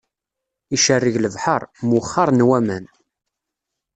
Icerreg lebḥeṛ, mwexxaṛen waman.